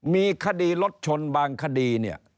มีคดีรถชนบางคดีเนี่ย